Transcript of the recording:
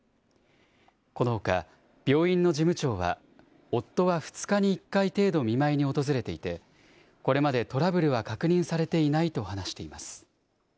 このほか、病院の事務長は、夫は２日に１回程度、見舞いに訪れていて、これまでトラブルは確認されていないと話しています。